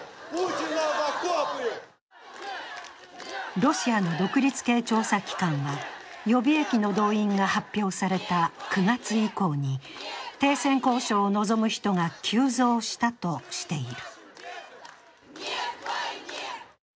ロシアの独立系調査機関は、予備役の動員が発表された９月以降に停戦交渉を望む人が急増したとしている。